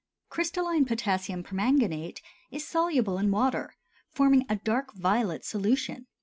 Crystalline potassium permanganate is soluble in water, forming a dark violet solution.